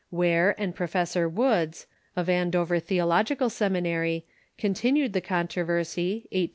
Ware and Professor Woods, of Andover Theological Seminary, continued the controversy, 1820 23.